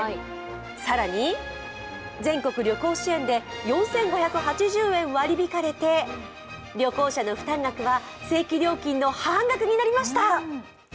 更に全国旅行支援で４５８０円割り引かれて旅行者の負担額は正規料金の半額になりました。